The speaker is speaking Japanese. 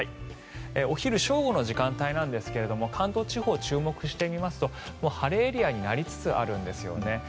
お昼正午の時間帯ですが関東地方、注目してみますと晴れエリアになりつつあるんですよね。